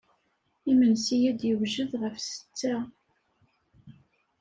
Imensi ad d-yewjed ɣef ssetta.